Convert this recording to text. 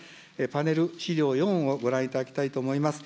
パネル資料４をご覧いただきたいと思います。